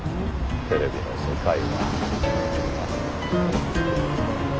テレビの世界は。